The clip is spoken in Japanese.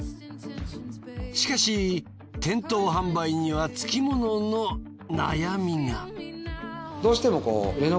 しかし店頭販売にはつきものの悩みが。